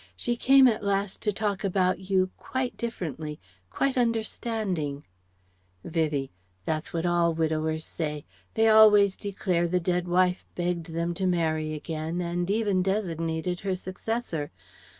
She came at last to talk about you quite differently, quite understanding " Vivie: "That's what all widowers say. They always declare the dead wife begged them to marry again, and even designated her successor.